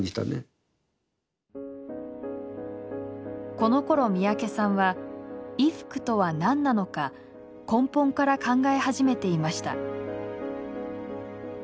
このころ三宅さんは衣服とは何なのか根本から考え始めていました。